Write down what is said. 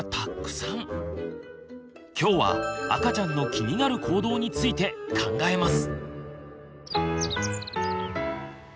今日は赤ちゃんの気になる行動について考えます！